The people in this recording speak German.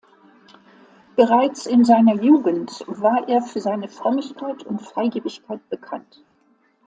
Bereits in seiner Jugend war er für seine Frömmigkeit und Freigebigkeit bekannt.